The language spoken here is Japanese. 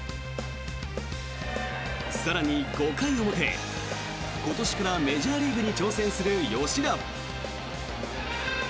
更に、５回表今年からメジャーリーグに挑戦する吉田。